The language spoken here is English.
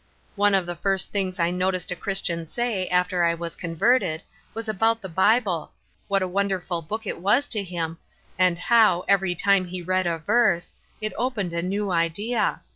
One of the first things I noticed a Chris tian say, after I was converted, was about the Bible — what a wonderful book it was to him, and how, every time he read a verse, it opened a new idea.